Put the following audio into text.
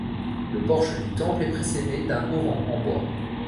Le porche du temple est précédé d'un auvent en bois.